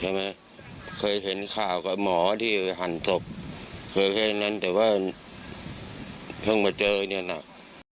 ใช่ไหมเคยเห็นข่าวกับหมอที่หั่นศพเคยเก็บนั้นแต่ว่าเพิ่งมาเจออันนี้หนัก